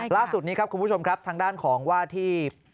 ล่าสุดนี้ครับคุณผู้ชมครับทางด้านของว่าที่